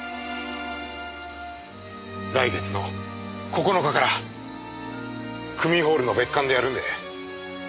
来月の９日から区民ホールの別館でやるんで。